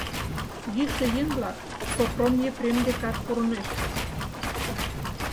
Йӱшӧ еҥ-влак Сопром Епрем декат пурынешт.